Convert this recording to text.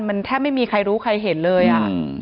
มันแทบไม่มีใครรู้ใครเห็นเลยอ่ะ